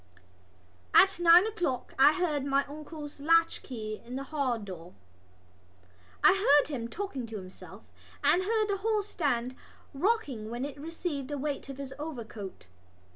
At nine o'clock I heard my uncle's latchkey in the halldoor. I heard him talking to himself and heard the hallstand rocking when it had received the weight of his overcoat.